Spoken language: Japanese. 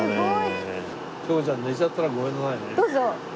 「翔子ちゃん寝ちゃったらごめんなさいね」